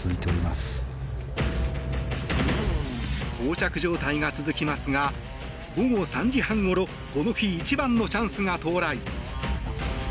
膠着状態が続きますが午後３時半ごろこの日一番のチャンスが到来。